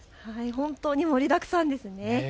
本当に盛りだくさんですね。